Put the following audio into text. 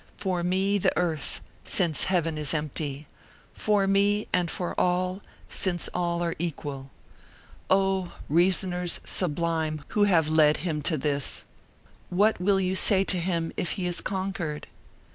for me, the earth, since heaven is empty! for me and for all, since all are equal." Oh! reasoners sublime who have led him to this, what will you say to him if he is conquered?